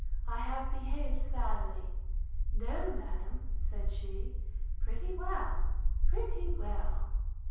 I have behaved sadly. No, madam, said she, pretty well, pretty well!